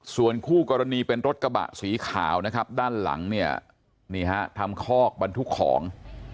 ส่วนคู่กรณีเป็นรถกระบะสีขาวนะครับด้านหลังเนี่ยนี่ฮะทำคอกบรรทุกของ